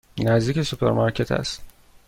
نزدیک سوپرمارکت است.